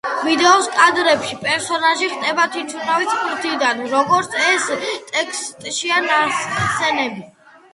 ვიდეოს კადრებში პერსონაჟი ხტება თვითმფრინავის ფრთიდან, როგორც ეს ტექსტშია ნახსენები.